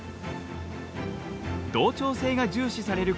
同調性が重視される